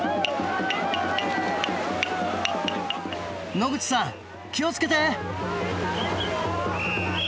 野口さん気を付けて！